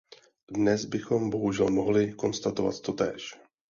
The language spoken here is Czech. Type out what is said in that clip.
Dnes bychom bohužel mohli konstatovat totéž.